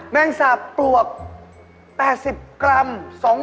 แมงสับปลวก๘๐กรัม